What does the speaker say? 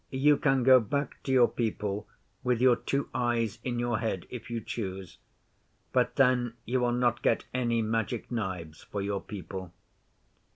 You can go back to your people with your two eyes in your head if you choose. But then you will not get any Magic Knives for your people."